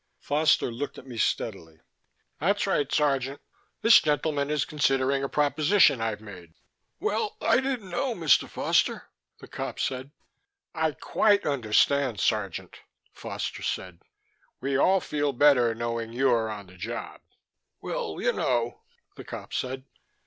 Foster looked at me steadily. "That's right, Sergeant. This gentleman is considering a proposition I've made." "Well, I didn't know, Mr. Foster," the cop said. "I quite understand, Sergeant," Foster said. "We all feel better, knowing you're on the job." "Well, you know," the cop said.